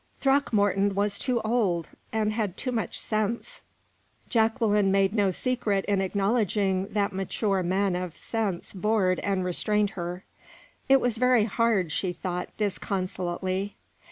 Throckmorton was too old, and had too much sense; Jacqueline made no secret in acknowledging that mature men of sense bored and restrained her. It was very hard, she thought, disconsolately.